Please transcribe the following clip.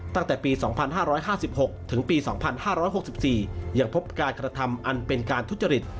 ตั้งแต่ปี๒๕๕๖ถึงปี๒๕๖๔ยังพบการกระทำอันเป็นการทุจริต